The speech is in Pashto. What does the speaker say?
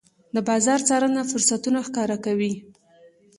د بازار څارنه فرصتونه ښکاره کوي.